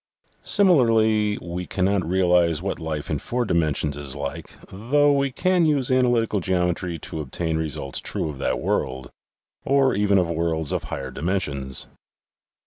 Similarly we cannot realize what life in four dimensions is like, though we can use analytical geometry to obtain results true of that world, or even of worlds of higher dimensions.